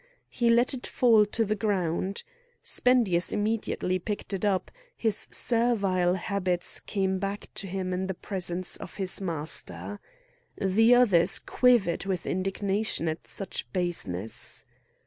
He let it fall to the ground; Spendius immediately picked it up; his servile habits came back to him in the presence of his master. The others quivered with indignation at such baseness.